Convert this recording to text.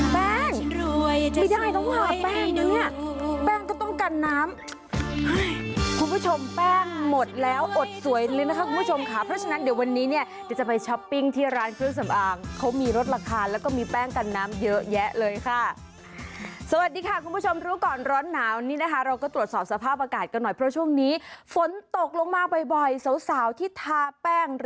แป้งรวยไม่ได้ต้องทาแป้งเนี่ยแป้งก็ต้องกันน้ำคุณผู้ชมแป้งหมดแล้วอดสวยเลยนะคะคุณผู้ชมค่ะเพราะฉะนั้นเดี๋ยววันนี้เนี่ยเดี๋ยวจะไปช้อปปิ้งที่ร้านเครื่องสำอางเขามีลดราคาแล้วก็มีแป้งกันน้ำเยอะแยะเลยค่ะสวัสดีค่ะคุณผู้ชมรู้ก่อนร้อนหนาวนี้นะคะเราก็ตรวจสอบสภาพอากาศกันหน่อยเพราะช่วงนี้ฝนตกลงมาบ่อยสาวสาวที่ทาแป้งร